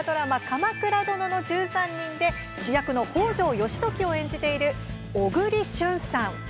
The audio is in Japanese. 「鎌倉殿の１３人」で主役の北条義時を演じている小栗旬さん。